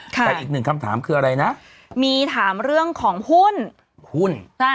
แต่อีกหนึ่งคำถามคืออะไรนะมีถามเรื่องของหุ้นหุ้น